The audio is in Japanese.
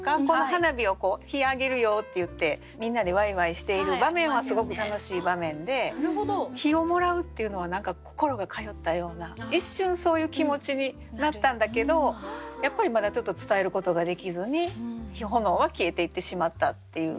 花火を「火あげるよ」って言って皆でワイワイしている場面はすごく楽しい場面で火をもらうっていうのは何か心が通ったような一瞬そういう気持ちになったんだけどやっぱりまだちょっと伝えることができずに炎は消えていってしまったっていう。